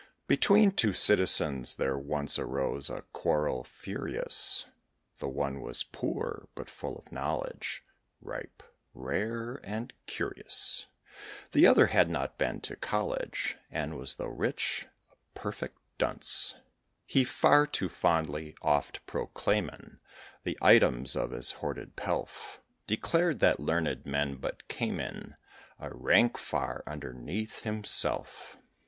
Between two citizens there once Arose a quarrel furious; The one was poor, but full of knowledge Ripe, and rare, and curious; The other had not been to college, And was, though rich, a perfect dunce. He, far too fondly oft proclaiming The items of his hoarded pelf, Declared that learned men but came in A rank far underneath himself.